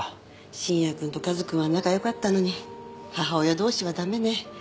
信也君と和君は仲良かったのに母親同士は駄目ね。